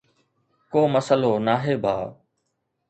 ڪو مسئلو ناهي ڀاءُ.